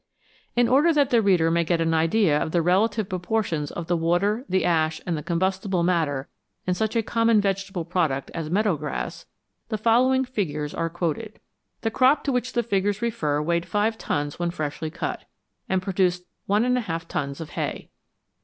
In order that the reader may get an idea of the relative proportions of the water, the ash, and the combustible matter in such a common vegetable product as meadow grass, the following figures are quoted The crop to which the figures refer weighed 5 tons when freshly cut, and produced 1J tons of hay.